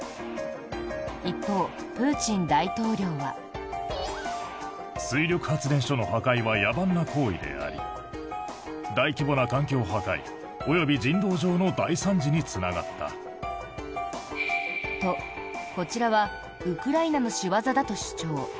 一方、プーチン大統領は。と、こちらはウクライナの仕業だと主張。